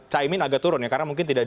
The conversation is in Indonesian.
caimin agak turun ya karena mungkin tidak